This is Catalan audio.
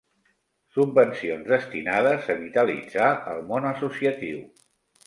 Subvencions destinades a vitalitzar el món associatiu.